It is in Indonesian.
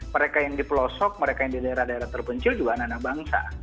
mereka yang di pelosok mereka yang di daerah daerah terpencil juga anak anak bangsa